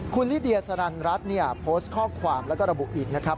คุณลิเดียสรรรัฐโพสต์ข้อความแล้วก็ระบุอีกนะครับ